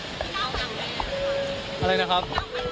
พี่ก้าวบอกนะครับ